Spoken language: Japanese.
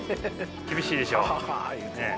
厳しいでしょねえ。